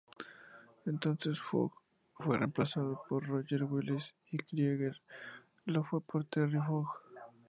Entonces, Fogg fue reemplazado por Roger Willis, y Krieger lo fue por Terry Fogg.